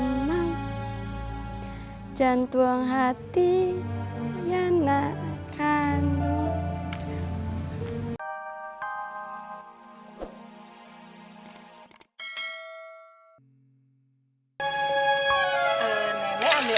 neme ambil air jauh jauh kesini buat apa nek ya memang sebulan sekali nenek ambil